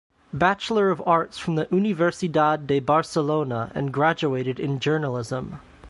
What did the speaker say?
Bachelor of Arts from the Universidad de Barcelona and Graduated in Journalism.